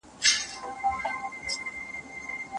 ځيني قرآني سورتونه په مقطعاتو حروفو پيل سوي دي.